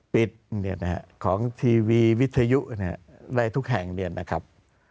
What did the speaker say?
ปิดเนี่ยนะครับของทีวีวิทยุในทุกแห่งเนี่ยนะครับ